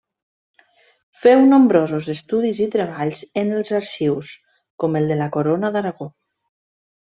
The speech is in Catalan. Féu nombrosos estudis i treballs en els arxius, com el de la Corona d'Aragó.